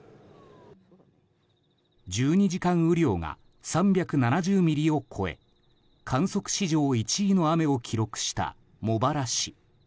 １２時間雨量が３７０ミリを超え観測史上１位の雨を記録した茂原市。